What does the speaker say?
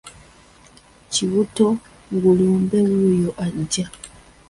Kibuto ngulube wuuyo ajja!